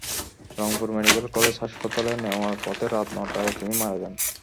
Rangpur Medical College হাসপাতালে নেওয়ার পথে রাত নয়টায় তিনি মারা যান।